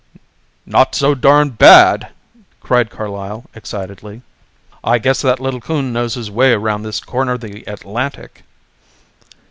"Not so darned bad!" cried Carlyle excitedly. "I guess that little coon knows his way round this corner of the Atlantic."